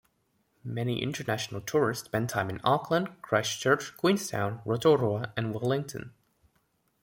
Many international tourists spend time in Auckland, Christchurch, Queenstown, Rotorua, and Wellington.